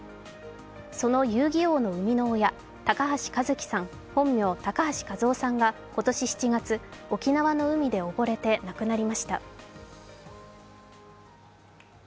その「遊戯王」の生みの親、高橋和希さん、本名・高橋一雅さんが、今年７月沖縄の海でおぼれて亡くなりました。